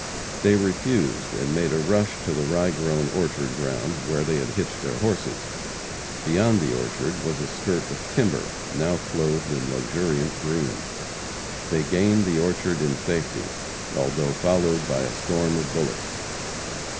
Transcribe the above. They refused, and made a rush to the rye grown orchard ground, where they had hitched their horses. Beyond the orchard was a skirt of timber, now clothed in luxuriant green. They gained the orchard in safety, although followed by a storm of bullets.